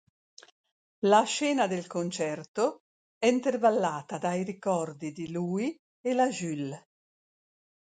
La scena del concerto è intervallata dai ricordi di lui e la Jules.